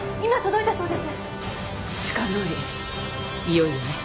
いよいよね。